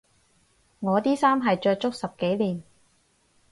我啲衫係着足十幾年